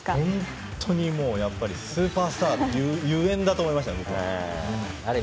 本当にスーパースターのゆえんだと思いましたね、僕は。